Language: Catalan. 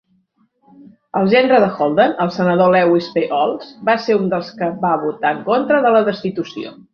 El gendre de Holden, el senador Lewis P. Olds, va ser un dels que va votar en contra de la destitució.